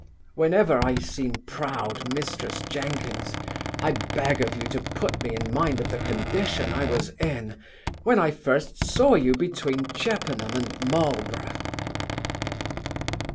Whenever I seem proud, Mrs Jenkins, I beg of you to put me in mind of the condition I was in, when I first saw you between Chippenham and Marlborough.